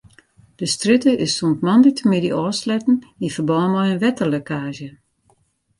De strjitte is sûnt moandeitemiddei ôfsletten yn ferbân mei in wetterlekkaazje.